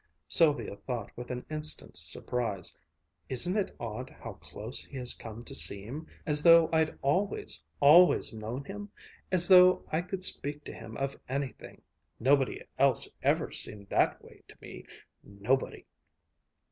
Sylvia thought with an instant's surprise, "Isn't it odd how close he has come to seem as though I'd always, always known him; as though I could speak to him of anything nobody else ever seemed that way to me, nobody!"